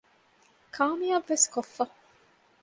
ކާމިޔާބުވެސް ކޮށްފަ